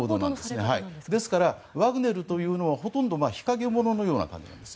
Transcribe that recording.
ですからワグネルというのはほとんど日陰者のような存在なんです。